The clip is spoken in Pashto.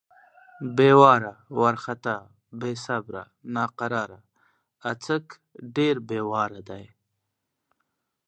بې واره، وارختا= بې صبره، ناقراره. اڅک ډېر بې واره دی.